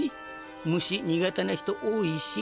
ムシ苦手な人多いし。